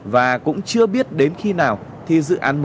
và cũng chưa biết đến khi nào thì dự án thu phí tự động không dừng